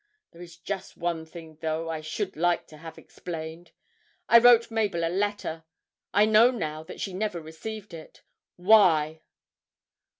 There is just one thing, though, I should like to have explained. I wrote Mabel a letter I know now that she never received it why?'